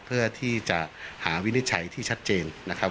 เพื่อที่จะหาวินิจฉัยที่ชัดเจนนะครับ